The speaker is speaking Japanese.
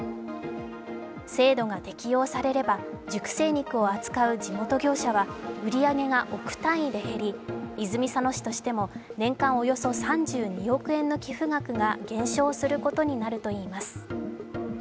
制度が適用されれば、熟成肉を扱う地元業者は売り上げが億単位で減り、泉佐野市としても年間およそ３２億円の寄付額が減少することになるといいます。